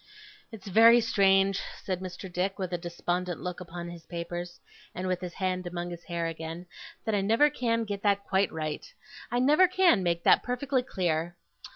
'It's very strange,' said Mr. Dick, with a despondent look upon his papers, and with his hand among his hair again, 'that I never can get that quite right. I never can make that perfectly clear.